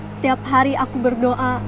setiap hari aku berdoa